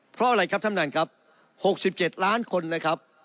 เพราะอะไรครับท่านประธานภาพหกสิบเจ็ดล้านคนนะครับ